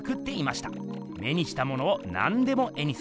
目にしたものをなんでも絵にする。